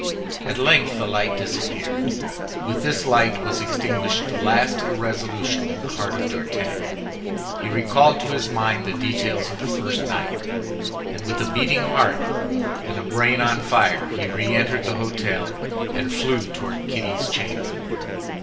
At length the light disappeared. With this light was extinguished the last irresolution in the heart of D'Artagnan. He recalled to his mind the details of the first night, and with a beating heart and a brain on fire he re entered the hôtel and flew toward Kitty's chamber.